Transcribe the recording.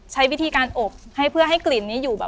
ใช้วิธีการอบเพื่อกลิ่นนี้อยู่